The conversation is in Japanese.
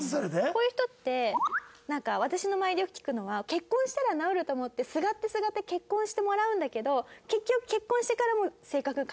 こういう人ってなんか私の周りでよく聞くのは結婚したら直ると思ってすがってすがって結婚してもらうんだけど結局結婚してからも性格が変わらないみたいな。